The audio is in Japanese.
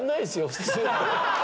普通。